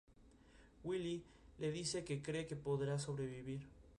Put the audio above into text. Willie le dice que cree que podrá sobrevivir.